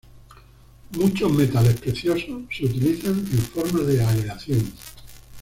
Muchos metales preciosos se utilizan en forma de aleación.